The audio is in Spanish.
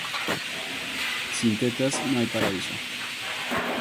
Sin tetas no hay paraíso